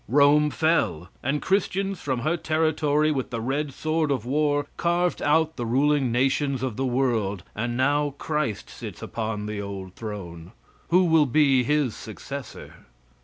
Rome fell, and Christians from her territory, with the red sword of war, carved out the ruling nations of the world, and now Christ sits upon the old throne. Who will be his successor?